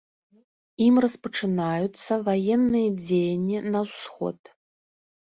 Ім распачынаюцца ваенныя дзеянні на ўсход.